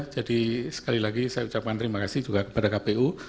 jadi sekali lagi saya ucapkan terima kasih juga kepada kpu